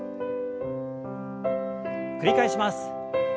繰り返します。